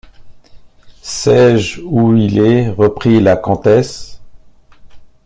Sais-je où il est? reprit la comtesse.